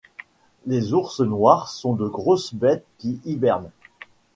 Les ours noirs sont de grosses bêtes qui hibernent